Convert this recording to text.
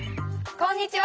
こんにちは。